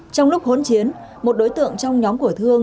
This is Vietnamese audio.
trong lúc hỗn chiến một đối tượng trong nhóm của thương